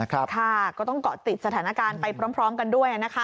ก็ต้องเกาะติดสถานการณ์ไปพร้อมกันด้วยนะคะ